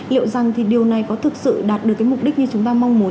liệu rằng thì điều này có thực sự đạt được cái mục đích như chúng ta mong muốn